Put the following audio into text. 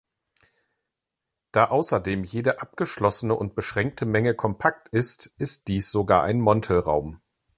Da außerdem jede abgeschlossene und beschränkte Menge kompakt ist, ist dies sogar ein Montel-Raum.